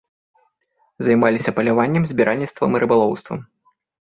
Займаліся паляваннем, збіральніцтвам і рыбалоўствам.